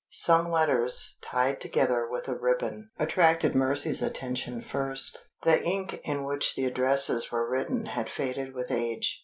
Some letters, tied together with a ribbon, attracted Mercy's attention first. The ink in which the addresses were written had faded with age.